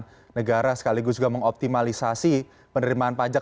pemerintahan negara sekaligus juga mengoptimalisasi penderimaan pajak